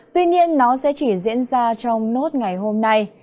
tuy nhiên nó sẽ chỉ diễn ra trong nốt ngày hôm nay